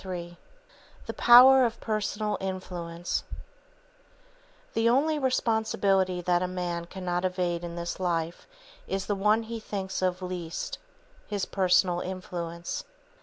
III The Power of Personal Influence The only responsibility that a man cannot evade in this life is the one he thinks of least, his personal influence.